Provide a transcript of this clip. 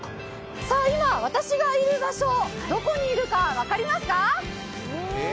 今、私がいる場所、どこにいるか分かりますか？